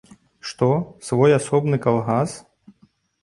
Што, свой асобны калгас?